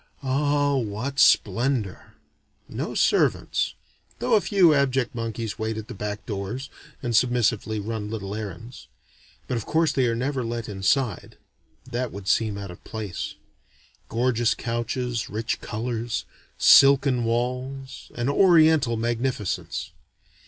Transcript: Ah what splendor! No servants, though a few abject monkeys wait at the back doors, and submissively run little errands. But of course they are never let inside: they would seem out of place. Gorgeous couches, rich colors, silken walls, an oriental magnificence.